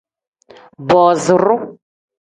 Booziru.